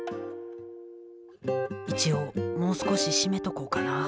一応もう少し締めとこうかな。